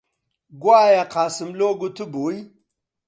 گۆیا قاسملوو گوتبووی: